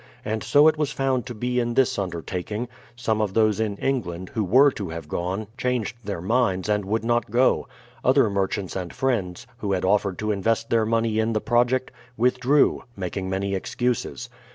And so it was found to be in this undertaking: some of those in England, who were to have gone, changed their minds and would not go ; other merchants and friends, who had offered to invest their money in the project, withdrew, making many excuses.